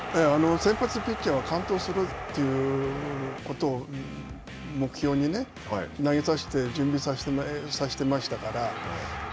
先発ピッチャーは、完投するということを目標にね、投げさせて、準備させてましたから。